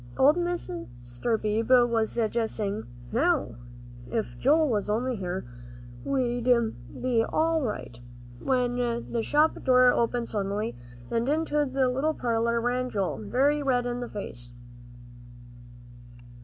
Old Mr. Beebe was just saying, "Now, if Joel was only here, we'd be all right," when the shop door opened suddenly, and into the little parlor ran Joel, very red in the face.